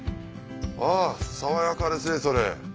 あ爽やかですねそれ。